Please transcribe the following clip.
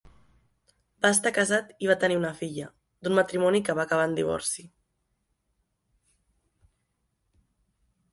Va estar casat i va tenir una filla, d’un matrimoni que va acabar en divorci.